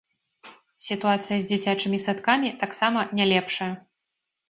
Сітуацыя з дзіцячымі садкамі таксама не лепшая.